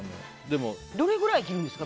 どれくらい生きるんですか？